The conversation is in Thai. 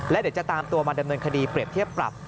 และเดี๋ยวจะตามตัวมาดำเนินคดีเปรียบเทียบปรับ